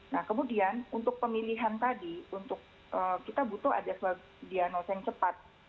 nah kemudian untuk pemilihan tadi untuk kita butuh ada suatu diagnosa yang cepat